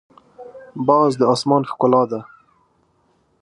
باز د اسمان ښکلا ده